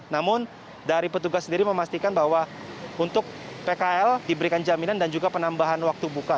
namun dari petugas sendiri memastikan bahwa untuk pkl diberikan jaminan dan juga penambahan waktu buka